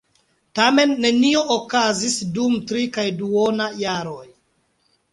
Tamen nenio okazis dum tri kaj duona jaroj.